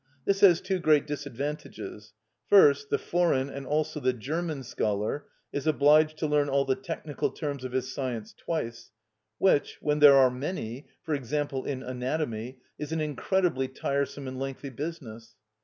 This has two great disadvantages. First, the foreign and also the German scholar is obliged to learn all the technical terms of his science twice, which, when there are many—for example, in Anatomy—is an incredibly tiresome and lengthy business.